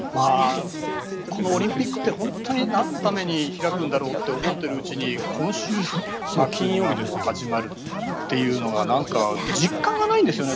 このオリンピックって本当に何のために開くんだろうと思っているうちに今週の金曜日からもう始まるというのがなんか、実感がないんですよね。